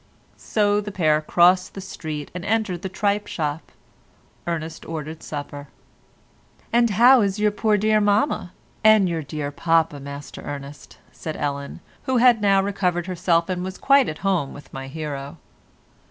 So the pair crossed the street and entered the tripe shop; Ernest ordered supper. "And how is your pore dear mamma, and your dear papa, Master Ernest," said Ellen, who had now recovered herself and was quite at home with my hero.